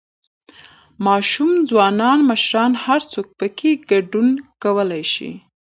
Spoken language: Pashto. ، ماشومان، ځوانان، مشران هر څوک پکې ګډون کولى شي